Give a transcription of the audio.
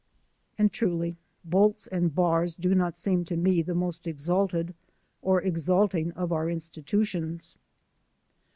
And truly Bolts and Bars do not seem to me the most exalted or exalting of our insti tutions.